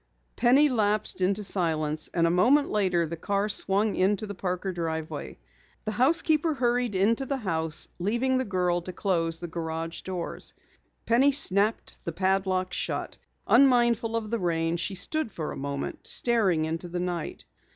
Penny lapsed into silence and a moment later the car swung into the Parker driveway. The housekeeper hurried into the house, leaving the girl to close the garage doors. Penny snapped the padlock shut. Unmindful of the rain, she stood for a moment, staring into the night.